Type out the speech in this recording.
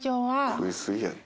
食い過ぎやねん。